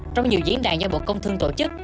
trong nhiều diễn đàn do bộ công thương tổ chức